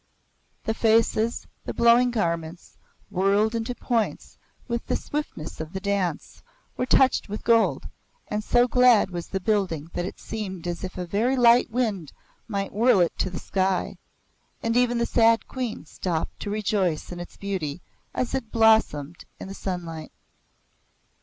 The faces, the blowing garments, whirled into points with the swiftness of the dance, were touched with gold, and so glad was the building that it seemed as if a very light wind might whirl it to the sky, and even the sad Queen stopped to rejoice in its beauty as it blossomed in the sunlight.